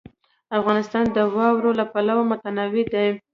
افغانستان د واوره له پلوه متنوع دی.